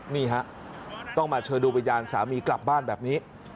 นี่ฮะต้องมาเชิญดูวิญญาณสามีกลับบ้านแบบนี้